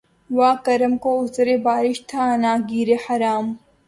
واں کرم کو عذرِ بارش تھا عناں گیرِ خرام